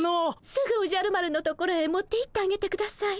すぐおじゃる丸の所へ持っていってあげてください。